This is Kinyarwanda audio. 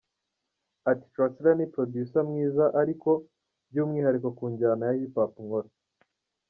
Ati “Trackslayer ni Producer mwiza ariko by’umwihariko ku njyana ya Hip Hop nkora.